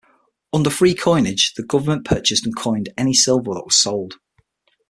Under free coinage, the government purchased and coined any silver that was sold.